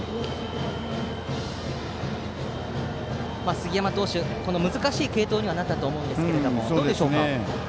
杉山投手、難しい継投になったと思いますが、どうでしょう。